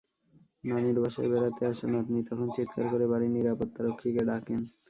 নানির বাসায় বেড়াতে আসা নাতনি তখন চিৎকার করে বাড়ির নিরাপত্তারক্ষীকে ডাকেন।